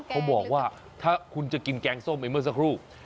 เขาบอกว่าถ้าคุณจะกินแกงส้มไปเมื่อสักครู่